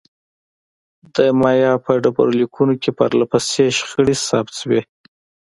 د مایا په ډبرلیکونو کې پرله پسې شخړې ثبت شوې.